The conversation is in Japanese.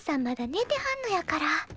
まだねてはんのやから。